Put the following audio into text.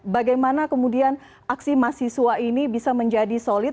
bagaimana kemudian aksi mahasiswa ini bisa menjadi solid